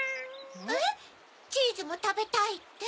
えっチーズもたべたいって？